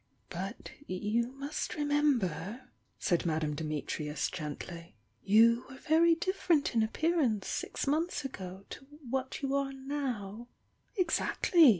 "But you must remember," said Madame Dimi trius gently — "you were very different in appear ance six months ago to what you are now '' "Exactly!